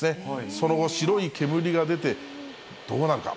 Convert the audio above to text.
その後、白い煙が出て、どうなるか。